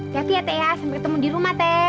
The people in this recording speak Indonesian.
siap siap ya teh sampai ketemu di rumah teh